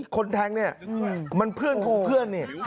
คนแทงนี่มันเพื่อนของเพื่อน